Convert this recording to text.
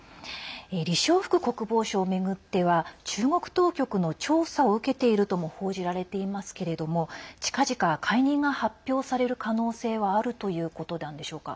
李尚福国防相を巡っては中国当局の調査を受けているとも報じられていますけれども近々解任が発表される可能性はあるということなんでしょうか。